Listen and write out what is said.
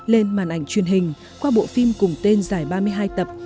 lên màn ảnh truyền hình qua bộ phim cùng tên giải ba mươi hai tập